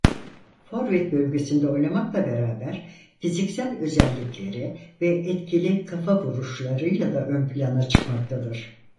Forvet bölgesinde oynamakla beraber fiziksel özellikleri ve etkili kafa vuruşlarıyla da ön plana çıkmaktadır.